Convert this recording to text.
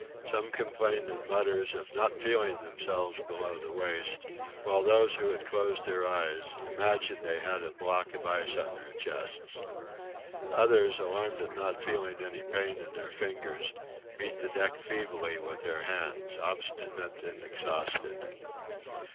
Some complained in mutters of "not feeling themselves below the waist;" while those who had closed their eyes, imagined they had a block of ice on their chests. Others, alarmed at not feeling any pain in their fingers, beat the deck feebly with their hands obstinate and exhausted.